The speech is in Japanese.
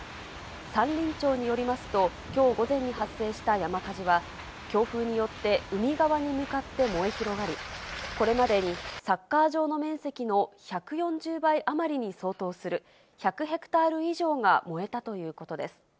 山林庁によりますと、きょう午前に発生した山火事は、強風によって海側に向かって燃え広がり、これまでにサッカー場の面積の１４０倍余りに相当する、１００ヘクタール以上が燃えたということです。